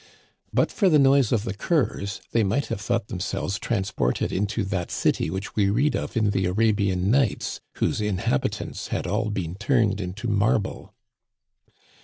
But for the noise of the curs they might have thought themselves transported into that city which we read of in the Ara bian Nights whose inhabitants had all been turned into marble.